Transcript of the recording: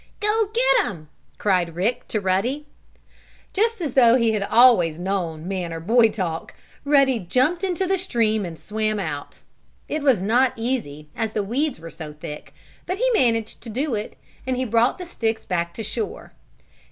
"Go get 'em!" cried Rick to Ruddy. Just as though he had always known man or boy talk, Ruddy jumped into the stream and swam out. It was not easy, as the weeds were so thick, but he managed to do it, and he brought the sticks back to shore.